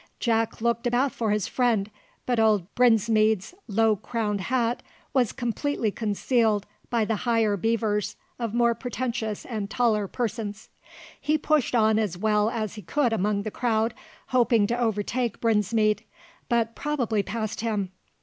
Jack looked about for his friend, but old Brinsmead's low crowned hat was completely concealed by the higher beavers of more pretentious and taller persons. He pushed on as well as he could among the crowd, hoping to overtake Brinsmead, but probably passed him.